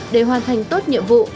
để hoàn thành tốt nhiệm vụ